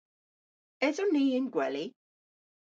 Eson ni y'n gweli?